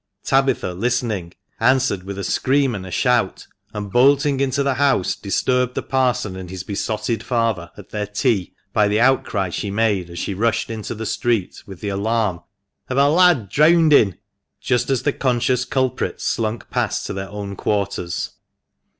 " Tabitha, listening, answered with a scream and a shout, and, bolting into the house, disturbed the Parson and his besotted father "at their tea" by the outcry she made, as she rushed on into the street with the alarm of " A lad dreawndin !" just as the conscious culprits slunk past to their own quarters.